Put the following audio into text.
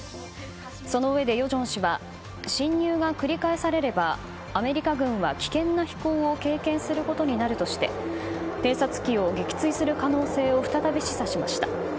そのうえで、与正氏は侵入が繰り返されればアメリカ軍は危険な飛行を経験することになるとして偵察機を撃墜する可能性を再び示唆しました。